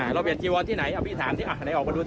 เปลี่ยนจีวอนที่ไหนพี่ถามสิอ่ะไหนออกมาดู